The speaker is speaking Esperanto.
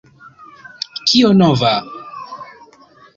Kio nova?